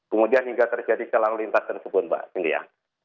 kemudian hingga terjadi kelang lintas dan subun mbak cynthia